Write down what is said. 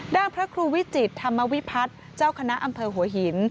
พระครูวิจิตธรรมวิพัฒน์เจ้าคณะอำเภอหัวหิน